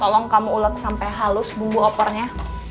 tolong kamu ulet sampai halus bumbu opornya